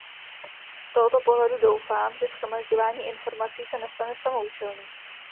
Z tohoto pohledu doufám, že shromažďování informací se nestane samoúčelným.